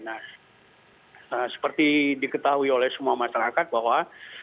nah seperti diketahui oleh semua masyarakat bahwa